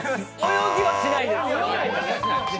泳ぎはしないです。